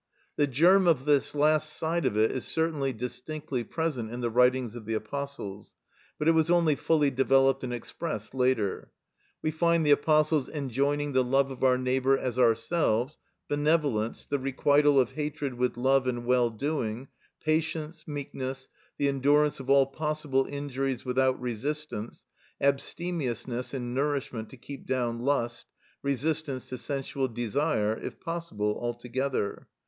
The germ of this last side of it is certainly distinctly present in the writings of the Apostles, but it was only fully developed and expressed later. We find the Apostles enjoining the love of our neighbour as ourselves, benevolence, the requital of hatred with love and well doing, patience, meekness, the endurance of all possible injuries without resistance, abstemiousness in nourishment to keep down lust, resistance to sensual desire, if possible, altogether.